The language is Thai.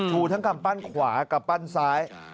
ชูทั้งกำปั้นขวากำปั้นซ้าย